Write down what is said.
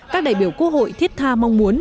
các đại biểu quốc hội thiết tha mong muốn